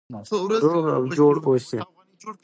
روغ او جوړ اوسئ.